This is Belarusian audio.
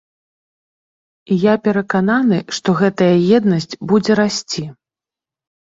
І я перакананы, што гэтая еднасць будзе расці.